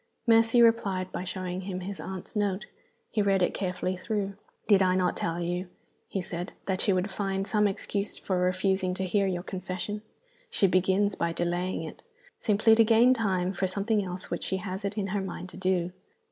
Mercy replied by showing him his aunt's note. He read it carefully through. "Did I not tell you," he said, "that she would find some excuse for refusing to hear your confession? She begins by delaying it, simply to gain time for something else which she has it in her mind to do.